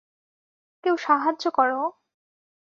কেউ সাহায্য করো!